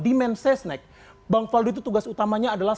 di mensesnek bang faldo itu tugas utamanya adalah